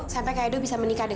saya pasti rumahliu